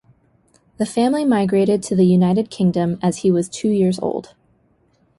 The family migrated to the United Kingdom as he was two years old.